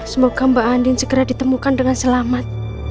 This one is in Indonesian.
semoga mbak andin segera ditemukan dengan selamat